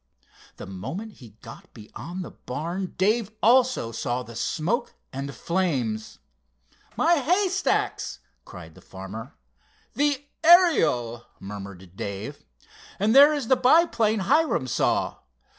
The moment he got beyond the barn, Dave also saw the smoke and flames. "My haystacks!" cried the farmer. "The Ariel!" murmured Dave. "And there is the biplane Hiram saw.